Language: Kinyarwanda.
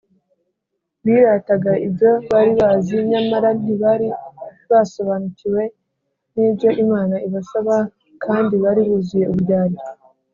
birataga ibyo bari bazi, nyamara ntibari basobanukiwe n’ibyo imana ibasaba, kandi bari buzuye uburyarya